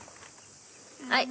はい。